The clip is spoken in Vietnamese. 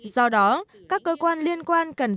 do đó các cơ quan liên quan cần giải pháp